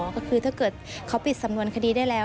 ก็คือถ้าเกิดเขาปิดสำนวนคดีได้แล้ว